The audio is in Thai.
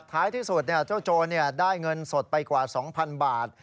ท้ายที่สุดเจ้าโจรได้เงินสดไปกว่า๒๐๐๐บาท